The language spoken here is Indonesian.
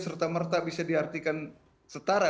serta merta bisa diartikan setara